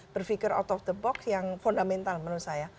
berpikir out of the box yang fundamental menurut saya